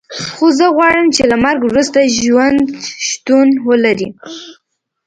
خو زه غواړم چې له مرګ وروسته ژوند شتون ولري